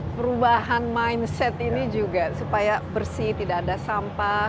perubahan mindset ini juga supaya bersih tidak ada sampah